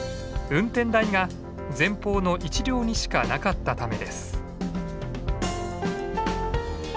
運転台が前方の一両にしかなかったためです。